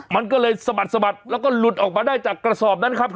มันก็เลยสะบัดแล้วก็หลุดออกมาได้จากกระสอบนั้นครับ